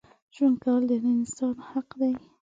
ژوند کول د هر انسان حق دی.